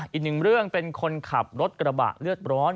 อีกหนึ่งเรื่องเป็นคนขับรถกระบะเลือดร้อน